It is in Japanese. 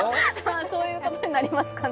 そういうことになりますかね。